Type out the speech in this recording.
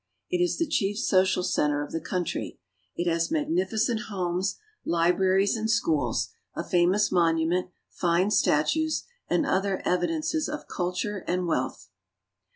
It is the chief social center of the country. It has magnifi cent homes, libraries, and schools, a famous monument, fine statues, and other evidences of culture and wealth.